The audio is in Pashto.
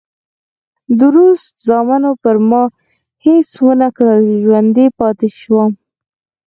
د روس زامنو پر ما هېڅ ونه کړل، ژوندی پاتې شوم.